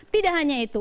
tidak hanya itu